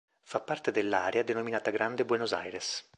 Fa parte dell'area denominata Grande Buenos Aires.